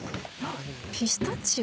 ピスタチオ？